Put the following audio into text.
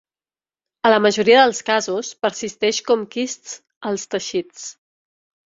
A la majoria dels casos persisteix com quists als teixits.